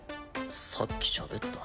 さっきしゃべった。